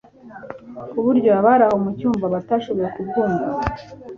ku buryo abari aho mu cyumba batashoboye kubwumva.